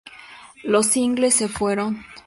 Los singles fueron.